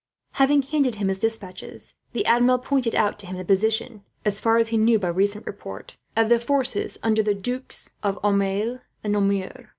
Having handed him his despatches, the Admiral pointed out to him the position, as far as he knew by recent report, of the forces under the Dukes of Aumale and Nemours.